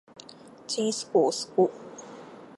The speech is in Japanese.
ちんすこうすこ